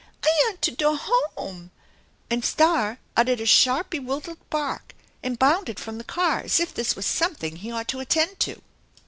I jant to doh home !" and Star uttered a sharp, bewildered bark and bounded from the car as if this were something he ought to attend to.